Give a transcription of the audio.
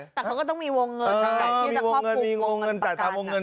แต่เขาก็ต้องมีวงเงิน